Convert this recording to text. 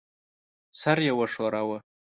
سر یې وښوراوه.